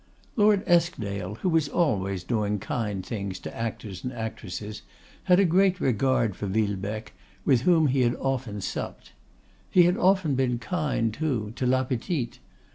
Lord Eskdale, who was always doing kind things to actors and actresses, had a great regard for Villebecque, with whom he had often supped. He had often been kind, too, to La Petite.